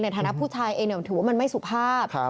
ฐานะผู้ชายเองถือว่ามันไม่สุภาพ